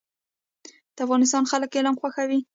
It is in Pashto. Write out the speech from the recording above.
د افغانستان خلک علم خوښوي